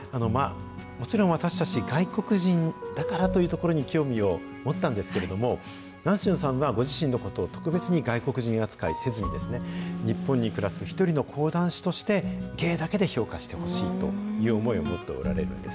もちろん私たち、外国人だからというところに興味を持ったんですけれども、南春さんはご自身のことを、特別に外国人扱いせずにですね、日本に暮らす一人の講談師として、芸だけで評価してほしいという思いを持っておられるんです。